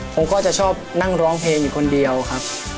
ผมก็จะชอบนั่งร้องเพลงอยู่คนเดียวครับ